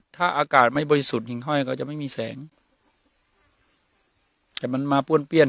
ถ้าอากาศไม่บริสุทธิ์หญิงห้อยก็จะไม่มีแสงแต่มันมาป้วนเปี้ยน